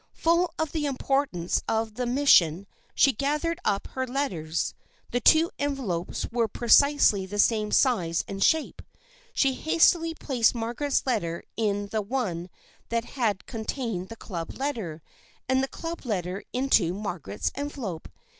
Full of the importance of the mission she gathered up her letters. The two envelopes were precisely the same size and shape. She hastily placed Margaret's letter in the one that had con tained the Club letter, and the Club letter into Margaret's envelope.